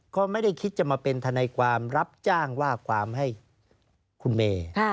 ก็ไม่ได้คิดจะมาเป็นทนายความรับจ้างว่าความให้คุณเมย์